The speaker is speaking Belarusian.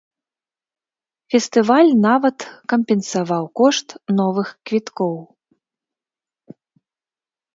Фестываль нават кампенсаваў кошт новых квіткоў.